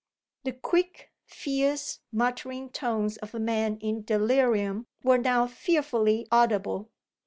The quick, fierce, muttering tones of a man in delirium were now fearfully audible.